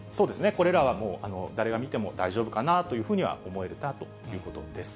これらはもう、誰が見ても大丈夫かなというふうには思えるということです。